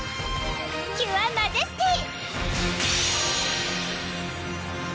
キュアマジェスティ！